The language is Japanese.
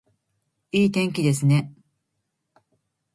いい天気ですね